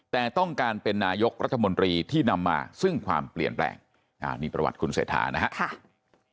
แต่ต้องการเป็นนายกรัฐมนตรีที่นำมาซึ่งความเปลี่ยนแปลงนี่ประวัติคุณเศรษฐานะครับ